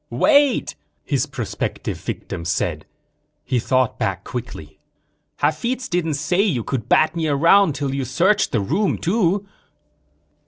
"Wait," his prospective victim said. He thought back quickly. "Hafitz didn't say you could bat me around till you searched the room, too."